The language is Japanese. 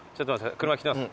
車来てます。